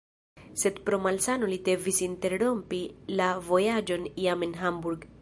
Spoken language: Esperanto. Sed pro malsano li devis interrompi la vojaĝon jam en Hamburg.